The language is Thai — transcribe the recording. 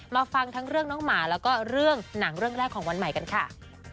ฟังทั้งเรื่องน้องหมาแล้วก็เรื่องหนังเรื่องแรกของวันใหม่กันค่ะ